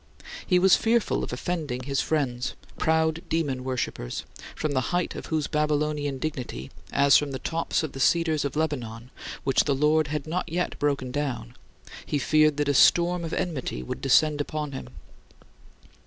He was fearful of offending his friends, proud demon worshipers, from the height of whose Babylonian dignity, as from the tops of the cedars of Lebanon which the Lord had not yet broken down, he feared that a storm of enmity would descend upon him.